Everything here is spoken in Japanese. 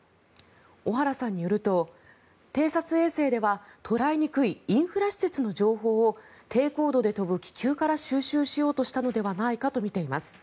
小原さんによると偵察衛星では捉えにくいインフラ施設の情報を低高度で飛ぶ気球から収集しようとしたのではないかとみています。